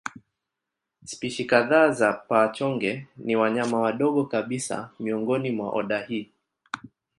Spishi kadhaa za paa-chonge ni wanyama wadogo kabisa miongoni mwa oda hii.